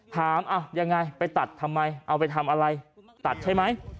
ยังไงไปตัดทำไมเอาไปทำอะไรตัดใช่ไหม